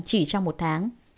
chỉ trong một tháng